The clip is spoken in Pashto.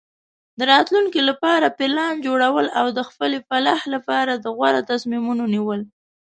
د راتلونکي لپاره پلان جوړول او د خپلې فلاح لپاره د غوره تصمیمونو نیول.